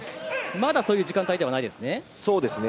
まだそういう時間帯ではないですね。